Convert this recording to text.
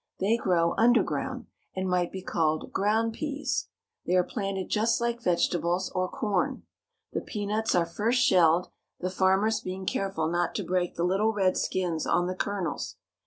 They grow underground, and might be called ground pease. They are planted just like vegetables or corn. The peanuts are first shelled, the farmers being careful not to break the little red skins on the ker nels.